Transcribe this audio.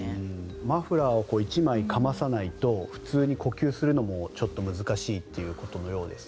マフラーを１枚かまさないと普通に呼吸するのもちょっと難しいということのようですよ。